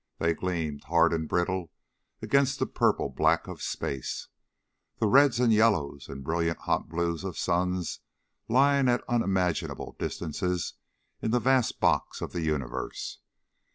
They gleamed, hard and brittle against the purple black of space, the reds and yellows and brilliant hot blues of suns lying at unimaginable distances in the vast box of the universe.